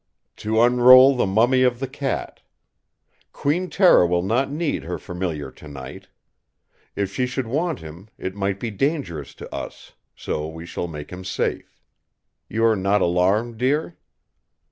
"To unroll the mummy of the cat! Queen Tera will not need her Familiar tonight. If she should want him, it might be dangerous to us; so we shall make him safe. You are not alarmed, dear?"